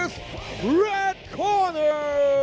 นี่คือแรดคอร์เนอร์